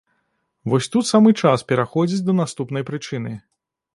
Вось тут самы час пераходзіць да наступнай прычыны.